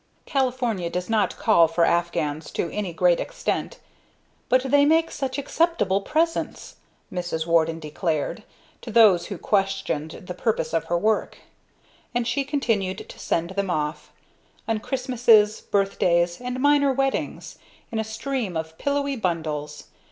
California does not call for afghans to any great extent, but "they make such acceptable presents," Mrs. Warden declared, to those who questioned the purpose of her work; and she continued to send them off, on Christmases, birthdays, and minor weddings, in a stream of pillowy bundles.